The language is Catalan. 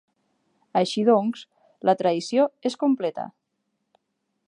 Així doncs, la traïció és completa.